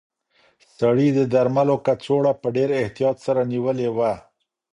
سړي د درملو کڅوړه په ډېر احتیاط سره نیولې وه.